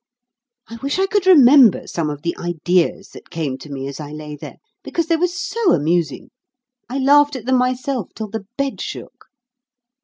I wish I could remember some of the ideas that came to me as I lay there, because they were so amusing. I laughed at them myself till the bed shook.